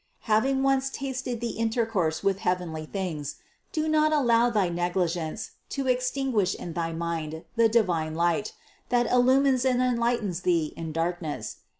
Having once tasted the intercourse with heavenly things, do not allow thy negligence to extinguish in thy mind the divine light, that illumines and enlightens thee in darkness.